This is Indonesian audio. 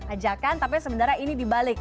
ajakan tapi sebenarnya ini dibalik